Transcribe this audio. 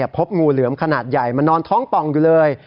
พบงูเหลือมขนาดใหญ่มานอนท้องป่องอยู่เลย